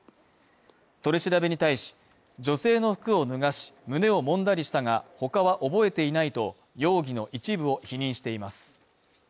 取り調べに対し、女性の服を脱がし、胸を揉んだりしたが、他は覚えていないと容疑の一部を否認しています。